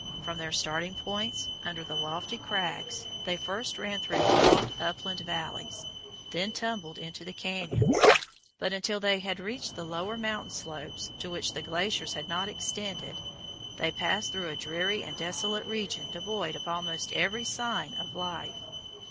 From their starting points, under the lofty crags, they first ran through broad upland valleys, then tumbled into the cañons; but until they had reached the lower mountain slopes, to which the glaciers had not extended, they passed through a dreary and desolate region devoid of almost every sign of life.